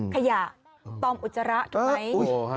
แขยะตอมอุจจาระถูกมั้ย